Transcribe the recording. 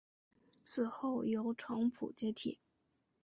死后由程普接替。